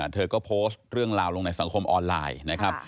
เธอก็โพสต์เรื่องราวลงในสังคมออนไลน์นะครับ